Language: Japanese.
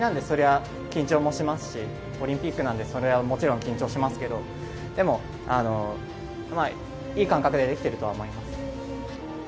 そりゃあ緊張もしますしオリンピックなんでそれはもちろん緊張しますけどでも、いい感覚でできているとは思います。